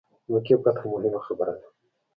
د مکې فتح موهمه خبره ده.